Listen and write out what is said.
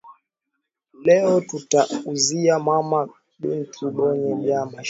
Leo tuta uzia mama bintu byote bya mashamba